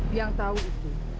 biang tahu itu